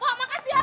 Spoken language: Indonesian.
pok makasih ya pok